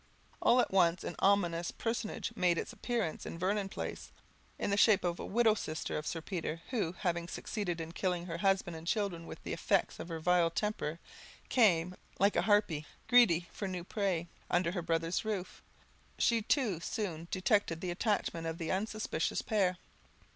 All at once an ominous personage made its appearance in Vernon Place, in the shape of a widow sister of Sir Peter, who, having succeeded in killing her husband and children with the effects of her vile temper, came, like a harpy, greedy for new prey, under her brother's roof. She too soon detected the attachment of the unsuspicious pair.